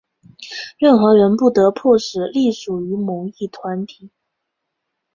任何人不得迫使隶属于某一团体。